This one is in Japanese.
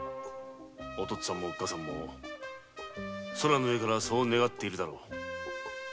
お父っつぁんもおっ母さんも空の上からそう願っているだろう。